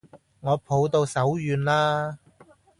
我抱到手軟啦